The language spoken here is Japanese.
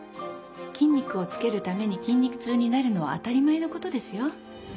筋肉をつけるために筋肉痛になるのは当たり前のことですよ。